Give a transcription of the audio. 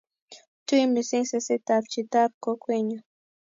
Tui mising sesetab chitab kokwenyu